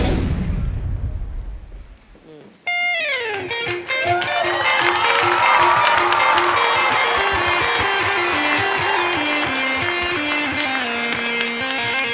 เพลงที่๒